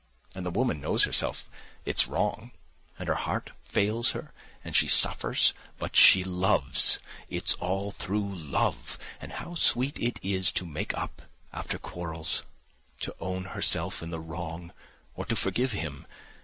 And the woman knows herself it's wrong, and her heart fails her and she suffers, but she loves—it's all through love. And how sweet it is to make up after quarrels, to own herself in the wrong or to forgive him!